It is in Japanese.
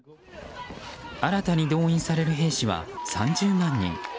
新たに動員される兵士は３０万人。